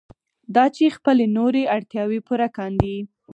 دا چې خپلې نورې اړتیاوې پوره کاندي.